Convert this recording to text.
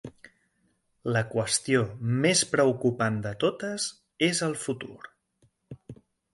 La qüestió més preocupant de totes és el futur.